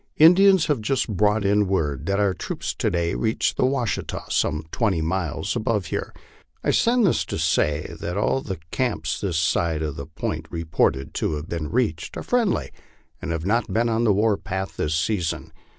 Indians have just brought in word that our troops to day reached the Washita some twenty miles above here. I send this to say that all the camps this side of the point reported to have been reached are friendly, and have not been on the war path this season.